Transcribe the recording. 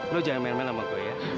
lo jangan main main sama gue ya